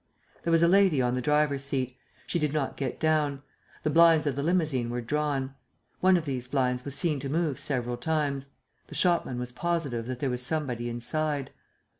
There was a lady on the driver's seat. She did not get down. The blinds of the limousine were drawn. One of these blinds was seen to move several times. The shopman was positive that there was somebody inside.